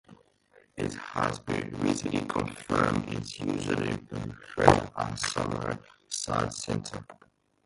It has recently been confirmed and is usually referred as Suvasvesi South crater.